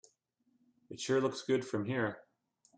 It sure looks good from here.